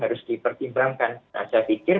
harus dipertimbangkan nah saya pikir